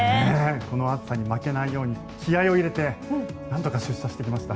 この暑さに負けないように気合を入れてなんとか出社してきました。